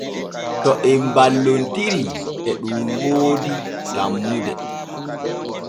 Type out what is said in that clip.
To em balloltiitri e ɗun woodi tanmude.